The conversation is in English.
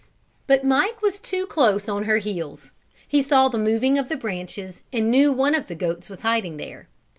But Mike was too close on her heels. He saw the moving of the branches and knew one of the goats was hiding there.